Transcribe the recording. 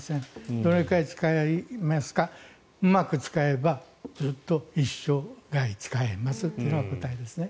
どれくらい使えますかうまく使えばずっと一生涯使えますというのが答えですね。